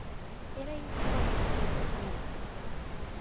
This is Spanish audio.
Era íntimo amigo de Rossini.